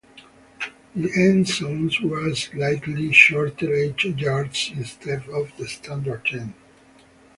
The end zones were slightly shorter-eight yards instead of the standard ten.